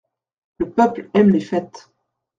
Le peuple aime les fêtes.